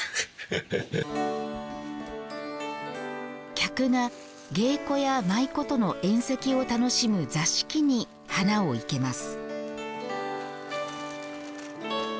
客が芸妓や舞妓との宴席を楽しむ座敷に花を生けます。